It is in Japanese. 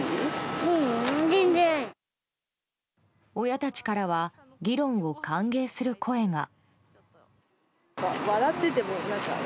親たちからは議論を歓迎する声が。